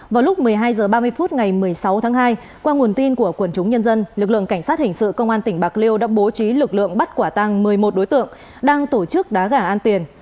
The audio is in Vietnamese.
vào lúc một mươi hai h ba mươi phút ngày một mươi sáu tháng hai qua nguồn tin của quần chúng nhân dân lực lượng cảnh sát hình sự công an tỉnh bạc liêu đã bố trí lực lượng bắt quả tăng một mươi một đối tượng đang tổ chức đá gà an tiền